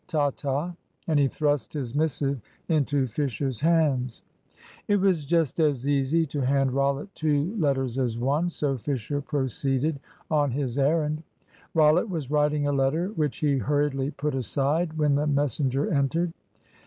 Ta ta." And he thrust his missive into Fisher's hands. It was just as easy to hand Rollitt two letters as one. So Fisher proceeded on his errand. Rollitt was writing a letter, which he hurriedly put aside when the messenger entered.